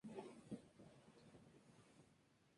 Este era un plan del rey para acercar a la corona.